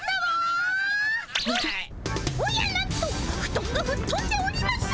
おやなんとフトンがふっとんでおります。